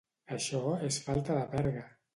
Això és falta de verga!